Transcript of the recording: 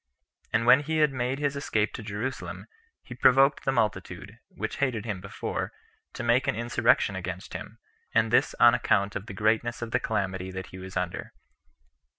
And when he had made his escape to Jerusalem, he provoked the multitude, which hated him before, to make an insurrection against him, and this on account of the greatness of the calamity that he was under.